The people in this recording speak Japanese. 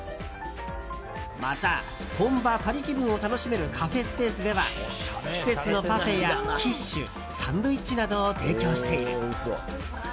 また、本場パリ気分を楽しめるカフェスペースでは季節のパフェやキッシュサンドイッチなどを提供している。